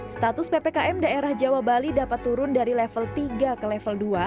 status ppkm daerah jawa bali dapat turun dari level tiga ke level dua